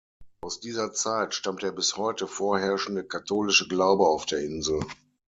Aus dieser Zeit stammt der bis heute vorherrschende katholische Glaube auf der Insel.